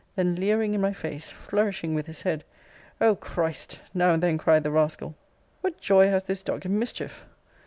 then leering in my face, flourishing with his head O Christ! now and then cried the rascal What joy has this dog in mischief!